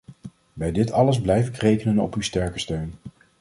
Bij dit alles blijf ik rekenen op uw sterke steun.